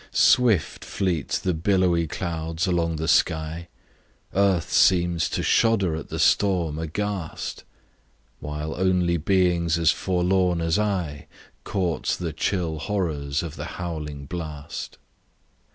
SWIFT fleet the billowy clouds along the sky, Earth seems to shudder at the storm aghast; While only beings as forlorn as I, Court the chill horrors of the howling blast.